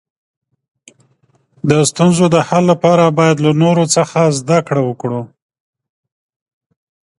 د ستونزو د حل لپاره باید له نورو څخه زده کړه وکړو.